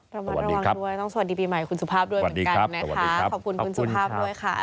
ระมัดระวังด้วยต้องสวัสดีปีใหม่คุณสุภาพด้วยเหมือนกันนะคะขอบคุณคุณสุภาพด้วยค่ะ